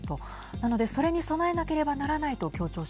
なので、それに備えなければならないはい。